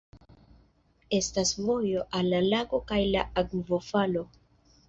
Estas vojo al la lago kaj la akvofalo.